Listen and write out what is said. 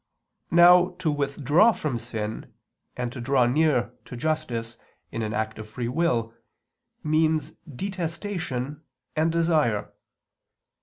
Now to withdraw from sin and to draw near to justice, in an act of free will, means detestation and desire.